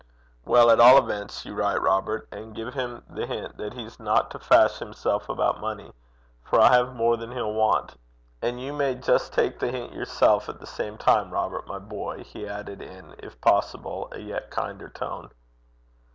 'Well, at all events, you write, Robert, and give him the hint that he's not to fash himself about money, for I have more than he'll want. And you may just take the hint yourself at the same time, Robert, my boy,' he added in, if possible, a yet kinder tone.